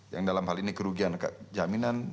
yang dalam hal ini kerugian jaminan